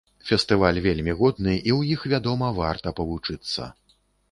Фестываль вельмі годны, і ў іх, вядома, варта павучыцца.